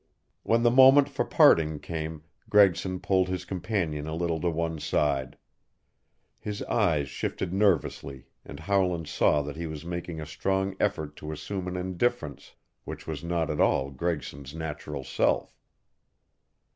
When the moment for parting came Gregson pulled his companion a little to one side. His eyes shifted nervously and Howland saw that he was making a strong effort to assume an indifference which was not at all Gregson's natural self.